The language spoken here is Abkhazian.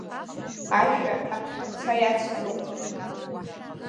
Ашәа аԥхьарца иацҳәоуп.